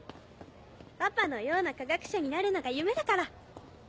パパのような科学者になるのが夢だから。